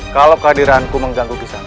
kalau kehadiranku mengganggu kisah